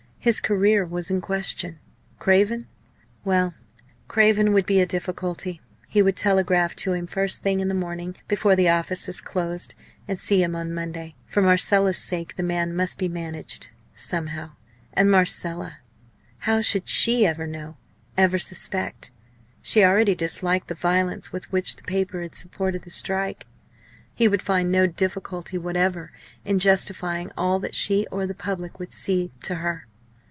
His career was in question. Craven? Well, Craven would be a difficulty. He would telegraph to him first thing in the morning before the offices closed, and see him on Monday. For Marcella's sake the man must be managed somehow. And Marcella! How should she ever know, ever suspect! She already disliked the violence with which the paper had supported the strike. He would find no difficulty whatever in justifying all that she or the public would see, to her.